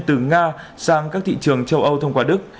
từ nga sang các thị trường châu âu thông qua đức